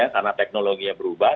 karena teknologinya berubah